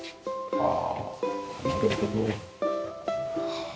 ああ。